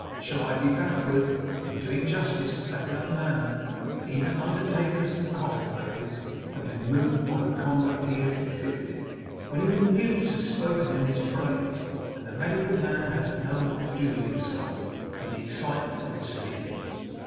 Shall I be backward in doing justice to that young man, when even undertakers and coffin makers have been moved by the conduct he has exhibited; when even mutes have spoken in his praise, and the medical man hasn't known what to do with himself in the excitement of his feelings!